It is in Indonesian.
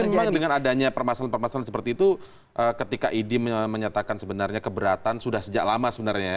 tapi memang dengan adanya permasalahan permasalahan seperti itu ketika idi menyatakan sebenarnya keberatan sudah sejak lama sebenarnya ya